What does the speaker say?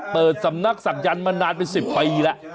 เปิดสำนักศักดิ์ยันต์มานานไปสิบปีแล้ว